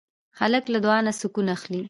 هلک له دعا نه سکون اخلي.